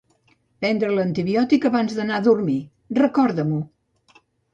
Prendre l'antibiòtic abans d'anar a dormir, recorda-m'ho.